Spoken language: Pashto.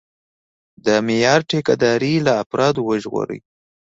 د معیار ټیکهداري له افرادو وژغوري.